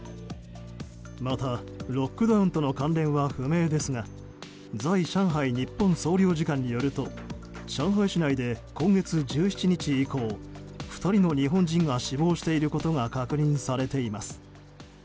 また、ロックダウンとの関連は不明ですが在上海日本総領事館によると上海市内で今月１７日以降２人の日本人が死亡していることが確認されています。